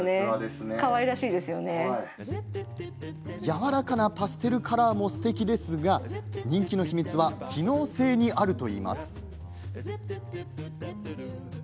やわらかなパステルカラーもすてきですが人気の秘密は機能性にあるといいます。